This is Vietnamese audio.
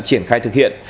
triển khai thực hiện